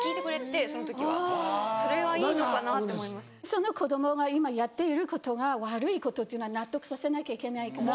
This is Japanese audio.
その子供が今やっていることが悪いことっていうのは納得させなきゃいけないから。